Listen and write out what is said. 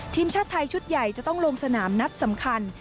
ทีมชาติไทยชุดใหญ่จะต้องลงสนามนัดสำคัญ